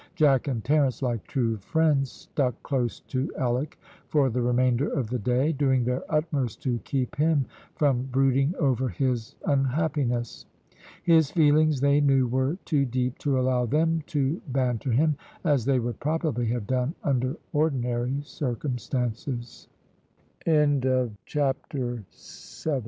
Jack and Terence, like true friends, stuck close to Alick for the remainder of the day, doing their utmost to keep him from brooding over his unhappiness. His feelings, they knew, were too deep to allow them to banter him, as they would probably have done under ordinary circumstances. CHAPTER EIGHT.